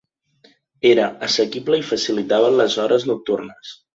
Era assequible i facilitava les hores nocturnes.